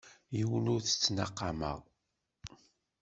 Yiwen ur t-ttnaqameɣ.